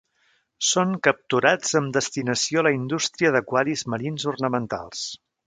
Són capturats amb destinació a la indústria d'aquaris marins ornamentals.